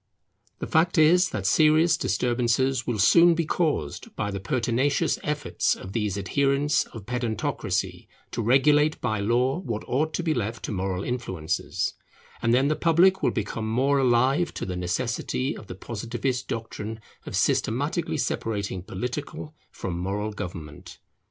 The fact is that serious disturbances will soon be caused by the pertinacious efforts of these adherents of pedantocracy to regulate by law what ought to be left to moral influences; and then the public will become more alive to the necessity of the Positivist doctrine of systematically separating political from moral government.